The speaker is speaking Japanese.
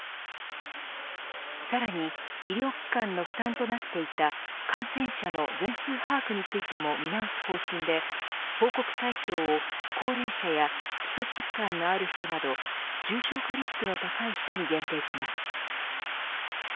さらに医療機関の負担となっていた感染者の全数把握についても見直す方針で報告対象を高齢者や基礎疾患のある人など重症化リスクの高い人に限定します。